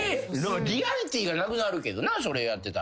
リアリティーがなくなるけどなそれやってたらな。